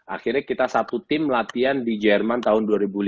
akhirnya kita satu tim latihan di jerman tahun dua ribu lima